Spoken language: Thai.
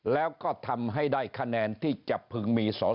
แล้วก็ทำให้ได้คะแนนที่จะพึงมีสอสอ